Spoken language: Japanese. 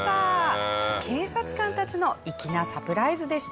警察官たちの粋なサプライズでした。